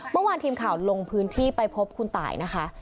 เมื่อวานทีมข่าวลงพื้นที่ไปพบคุณตายนะคะ